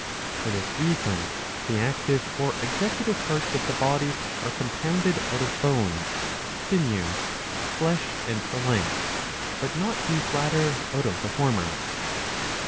^o For this reason the active or executive parts of the body are compounded out of bones, sinews, flesh, and the like, but not these latter out of the former.